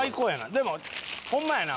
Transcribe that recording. でもホンマやな。